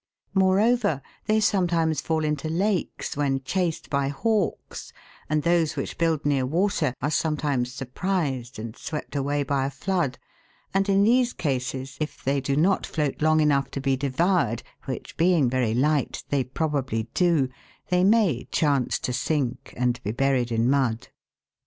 Moreover, they sometimes fall into lakes when chased by hawks, and those which build near water are sometimes surprised and swept away by a flood, and in these cases, if they do not float long enough to be devoured, which, being very light, they probably do, they may chance to sink, and be buried in mud.